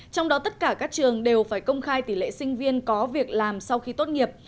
trong đó tất cả các trường đều phải công khai tỷ lệ sinh viên có việc làm sau khi tốt nghiệp